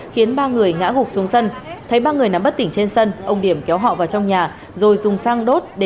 khiến ba người ngã gục xuống sân